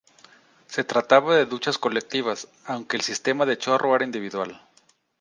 Se trataba de duchas colectivas, aunque el sistema de chorro era individual.